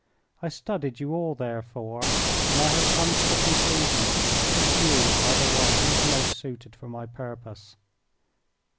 I studied you all, therefore, and I have come to the conclusion that you are the one who is most suited for my purpose."